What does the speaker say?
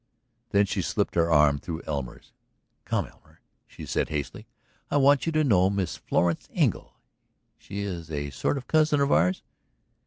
Then she slipped her arm through Elmer's. "Come, Elmer," she said hastily. "I want you to know Miss Florence Engle; she is a sort of cousin of ours."